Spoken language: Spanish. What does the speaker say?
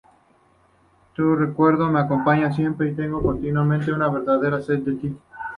Tu recuerdo me acompaña siempre, y tengo continuamente una verdadera sed de ti.